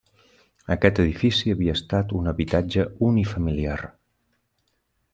Aquest edifici havia estat un habitatge unifamiliar.